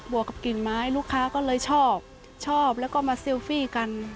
วกกับกลิ่นไม้ลูกค้าก็เลยชอบชอบแล้วก็มาเซลฟี่กัน